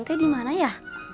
t dimana ya